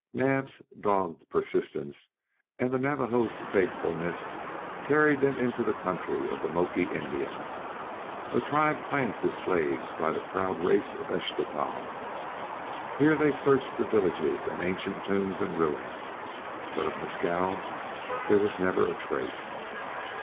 Naab's dogged persistence and the Navajos' faithfulness carried them into the country of the Moki Indians, a tribe classed as slaves by the proud race of Eschtah. Here they searched the villages and ancient tombs and ruins, but of Mescal there was never a trace.